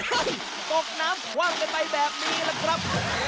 เฮ่ยตกน้ำคว่างกันไปแบบนี้ล่ะครับ